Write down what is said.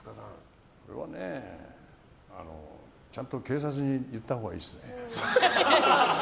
これはね、ちゃんと警察に行ったほうがいいですね。